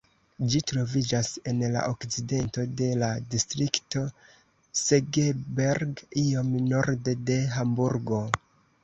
Ĝi troviĝas en la okcidento de la distrikto Segeberg, iom norde de Hamburgo.